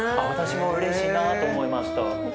私もうれしいなと思いました。